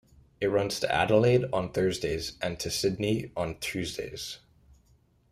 It runs to Adelaide on Thursdays, and to Sydney on Tuesdays.